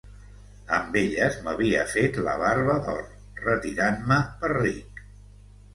Amb elles m'havia fet la barba d'or, retirant-me per ric.